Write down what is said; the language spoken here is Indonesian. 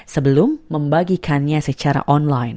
sebelum membagikannya secara online